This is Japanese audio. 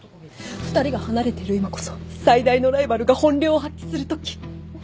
２人が離れてる今こそ最大のライバルが本領を発揮するとき。